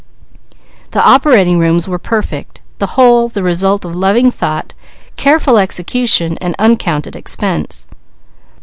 The operating rooms were perfect, the whole the result of loving thought, careful execution, and uncounted expense.